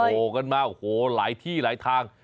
โหกันมาหลายที่หลายทาง